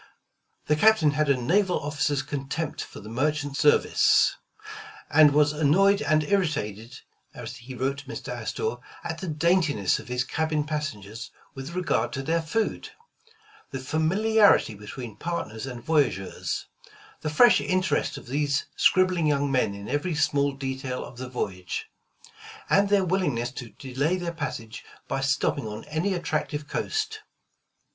The Captain had a naval officer's contempt for the merchant service, and was annoyed and irritated, as he wrote Mr. Astor, at the daintiness of his cabin pas sengers with regard to their food; the familiarity be tween partners and voyageurs; the fresh interest of these scribbling young men in every small detail of the voyage; and their willingness to delay their passage by stopping on any attractive coast.